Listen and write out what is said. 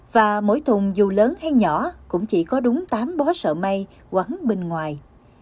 và mỗi thùng dù lớn hay nhỏ cũng chỉ có đúng tám bó sợ may quắn bên ngoài